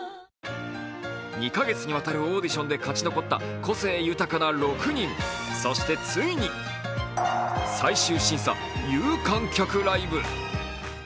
２か月にわたるオーディションで勝ち残った個性豊かな６人そしてついに最終審査有観客ライブ。